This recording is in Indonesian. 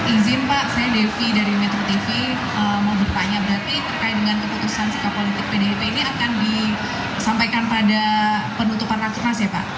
izin pak saya devi dari metro tv mau bertanya berarti terkait dengan keputusan sikap politik pdip ini akan disampaikan pada penutupan rakernas ya pak